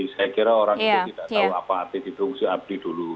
saya kira orang itu tidak tahu apa arti diungsi abdi dulu